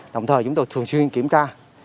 đồng thời chúng tôi thường xuyên kiểm tra